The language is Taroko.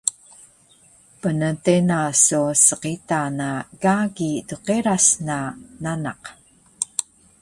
mntena so sqita na gagi dqeras na nanak